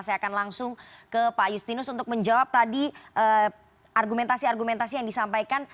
saya akan langsung ke pak justinus untuk menjawab tadi argumentasi argumentasi yang disampaikan